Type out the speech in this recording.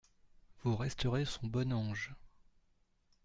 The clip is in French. Vous resterez son bon ange.